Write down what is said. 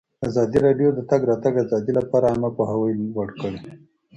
ازادي راډیو د د تګ راتګ ازادي لپاره عامه پوهاوي لوړ کړی.